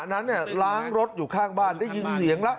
นั้นล้างรถอยู่ข้างบ้านได้ยินเสียงแล้ว